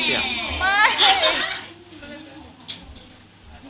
พี่ปั๊บพี่ปั๊บ